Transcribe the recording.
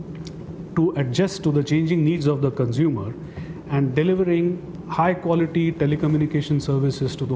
untuk menyesuaikan kebutuhan yang berubah untuk pengguna dan menyampaikan perusahaan telekomunikasi dengan kualitas tinggi